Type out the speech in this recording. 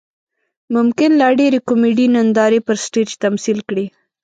ممکن لا ډېرې کومیډي نندارې پر سټیج تمثیل کړي.